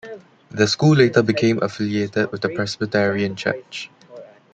The school later became affiliated with the Presbyterian Church.